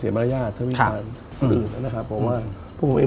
ผมเองกับคุณอุ้งอิ๊งเองเราก็รักกันเหมือนน้อง